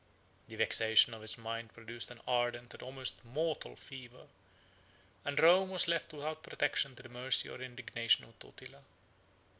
The vexation of his mind produced an ardent and almost mortal fever; and Rome was left without protection to the mercy or indignation of Totila.